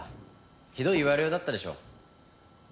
ひどい言われようだったでしょ？